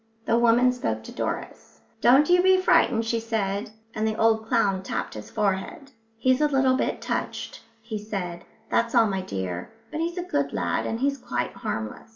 The woman spoke to Doris. "Don't you be frightened," she said, and the old clown tapped his forehead. "He's a little bit touched," he said, "that's all, my dear. But he's a good lad and he's quite harmless."